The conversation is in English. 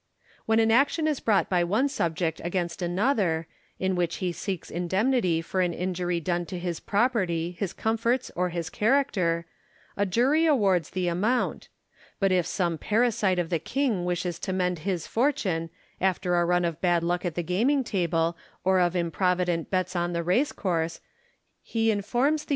When an action is bi ought by one subject against another, in which he seeks indemnity for an injury done to his pro perty, his comforts, or his character, a jury awards the amount ; but if some parasite of the king wishes to mend his fortune, aftnr a run of bad luck at the gaming table or of improvident bets on the race course, he informs the I40 IMA GINAR Y CONVERSA TIONS.